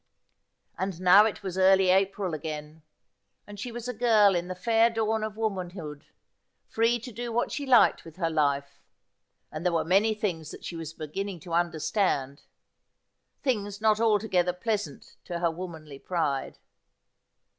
And now it was early April again, and she was a girl in the fair dawn of womanhood, free to do what she liked with her life, and there were many things that she was beginning to understand, things not altogether pleasant to her womanly pride.